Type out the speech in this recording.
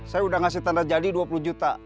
saya udah ngasih tanda jadi dua puluh juta